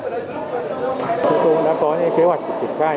chúng tôi đã có những kế hoạch triển khai